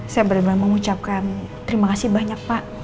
saya benar benar mengucapkan terima kasih banyak pak